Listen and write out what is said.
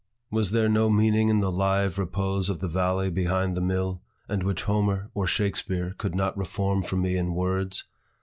Was there no meaning in the live repose of the valley behind the mill, and which Homer or Shakspeare could not reform for me in words?